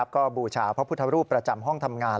ก็บูชาพระพุทธรูปประจำห้องทำงาน